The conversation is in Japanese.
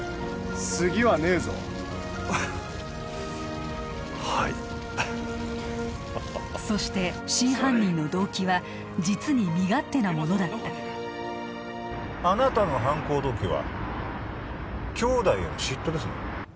次はねえぞはいそして真犯人の動機は実に身勝手なものだったあなたの犯行動機はきょうだいへの嫉妬ですね